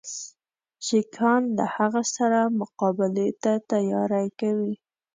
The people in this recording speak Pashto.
سیکهان له هغه سره مقابلې ته تیاری کوي.